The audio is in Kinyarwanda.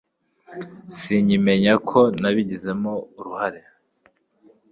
Sinkimenya uko nabigizemo uruhare